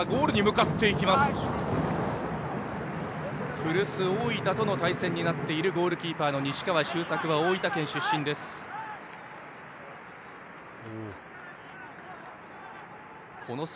古巣・大分との対戦になっているゴールキーパーの西川周作は大分県出身です。